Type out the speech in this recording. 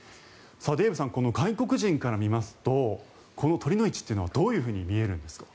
デーブさん、外国人から見ますとこの酉の市というのはどういうふうに見えるんですか？